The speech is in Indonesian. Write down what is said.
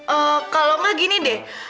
eh kalau enggak gini deh